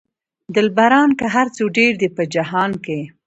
دلبران که هر څو ډېر دي په جهان کې.